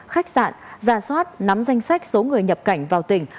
khách sạn ra soát nắm danh sách số người nhập cảnh vào tỉnh